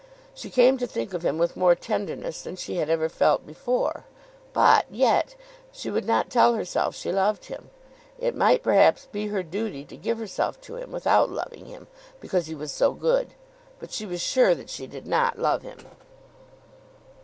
She came to think of him with more tenderness than she had ever felt before, but, yet, she would not tell herself she loved him. It might, perhaps, be her duty to give herself to him without loving him, because he was so good; but she was sure that she did not love him.